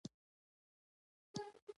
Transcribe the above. د منورې غاښی کنډو د باجوړ سره